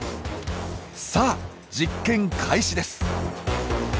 さあ実験開始です！